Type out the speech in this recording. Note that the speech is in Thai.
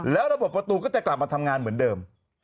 แล้วระบบประตูก็จะกลับมาทำงานเหมือนเดิม